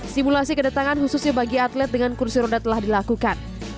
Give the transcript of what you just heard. simulasi kedatangan khususnya bagi atlet dengan kursi roda telah dilakukan